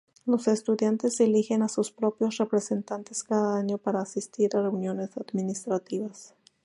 Los estudiantes eligen a sus propios representantes cada año para asistir a reuniones administrativas.